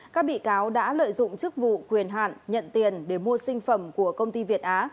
các bị cáo đã lợi dụng chức vụ quyền hạn nhận tiền để mua sinh phẩm của công ty việt á